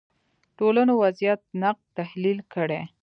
ټولنو وضعیت نقد تحلیل کړي